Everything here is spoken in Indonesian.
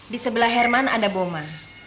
di sebelah herman ada boman